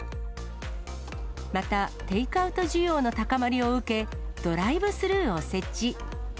また、テイクアウト需要の高まりを受け、ドライブスルーを設置。